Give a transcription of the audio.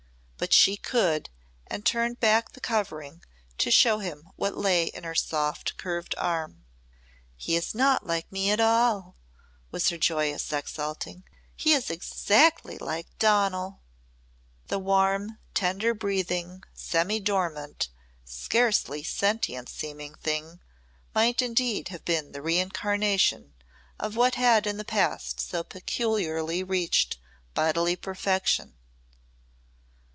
But she could and turned back the covering to show him what lay in her soft curved arm. "He is not like me at all," was her joyous exulting. "He is exactly like Donal." The warm, tender breathing, semi dormant, scarcely sentient seeming thing might indeed have been the reincarnation of what had in the past so peculiarly reached bodily perfection.